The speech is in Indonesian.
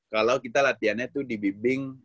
kalau kita latihannya tuh dibimbing